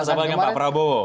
atau bersama dengan pak prabowo